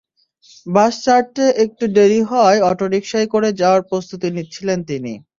বাস ছাড়তে একটু দেরি হওয়ায় অটোরিকশায় করে যাওয়ার প্রস্তুতি নিচ্ছিলেন তিনি।